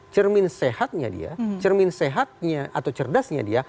cermin sehatnya dia cermin sehatnya atau cerdasnya dia